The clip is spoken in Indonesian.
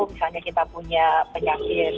misalnya kita punya penyakit